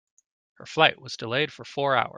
Her flight was delayed for four hours.